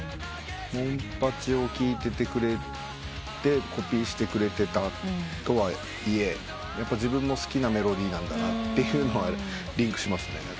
モンパチを聴いててくれてコピーしてくれてたとはいえ自分も好きなメロディーなんだなってリンクしますね。